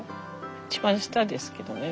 一番下ですけどね。